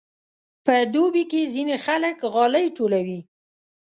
په دوبي کې ځینې خلک غالۍ ټولوي.